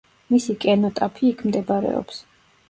მისი კენოტაფი იქ მდებარეობს.